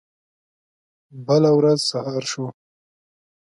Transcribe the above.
بله ورځ سهار شو.